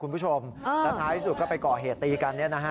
คุณผู้ชมแล้วท้ายที่สุดก็ไปก่อเหตุตีกัน